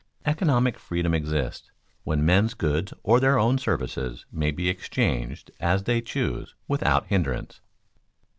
_Economic freedom exists when men's goods or their own services may be exchanged as they choose, without hindrance.